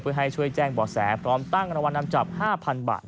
ไปให้ช่วยแจ้งบสแก่รวมตั้งกำลังวันนำจับ๕๐๐๐บาท